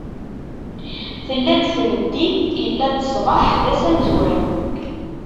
Tella-d tmeddit, illa-d ṣṣbeḥ: d ass amezwaru.